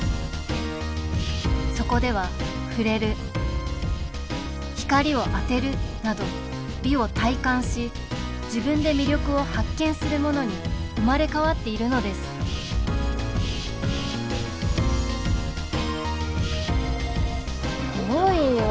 そこでは「触れる」「光を当てる」など美を体感し自分で魅力を発見するものに生まれ変わっているのですすごいよ。